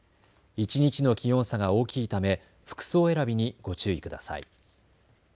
一日の気温差が大きいため服装選びにご注意ください。